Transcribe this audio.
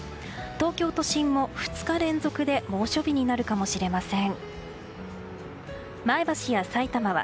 東京都心も２日連続で猛暑日になるかもしれません。